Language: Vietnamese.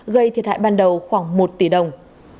gây thiệt hại ban đầu khoảng một tỷ đồng